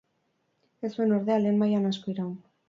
Ez zuen ordea lehen mailan asko iraun.